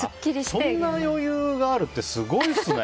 そんな余裕があるってすごいですね。